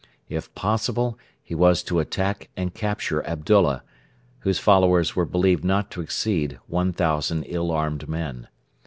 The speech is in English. If possible, he was to attack and capture Abdullah, whose followers were believed not to exceed 1,000 ill armed men.